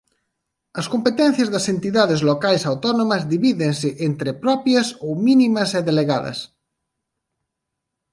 As competencias das entidades locais autónomas divídense entre propias ou mínimas e delegadas.